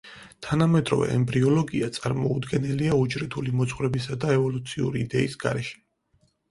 თანამედროვე ემბრიოლოგია წარმოუდგენელია უჯრედული მოძღვრებისა და ევოლუციური იდეის გარეშე.